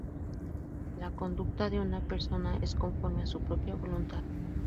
La conducta de una persona es conforme a su propia voluntad.